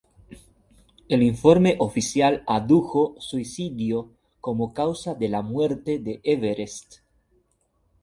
El informe oficial adujo "suicidio" como causa de la muerte de Everest.